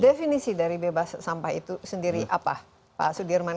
definisi dari bebas sampah itu sendiri apa pak sudirman